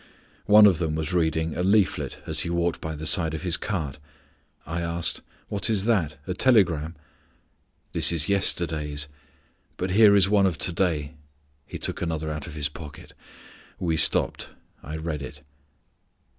One of them was reading a leaflet as he walked by the side of his cart. I asked, "What is that a telegram?" "This is yesterday's, but here is one of to day." He took another out of his pocket. We stopped. I read it.